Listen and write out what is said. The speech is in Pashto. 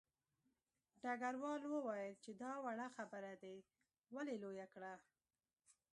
ډګروال وویل چې دا وړه خبره دې ولې لویه کړه